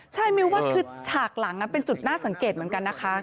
ใช่มิวว่าคือฉากหลังเป็นจุดน่าสังเกตเหมือนกันนะคะ